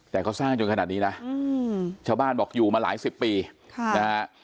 แต่เขาสร้างจนขนาดนี้นะชาวบ้านบอกอยู่มาหลายสิบปีนะฮะ